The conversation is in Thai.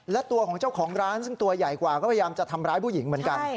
และตัวของเจ้าของร้านซึ่งตัวใหญ่กว่าก็พยายามจะทำร้ายผู้หญิงเหมือนกัน